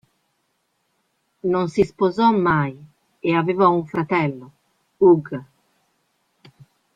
Non si sposò mai e aveva un fratello, Hugh.